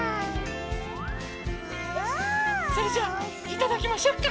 それじゃいただきましょうか。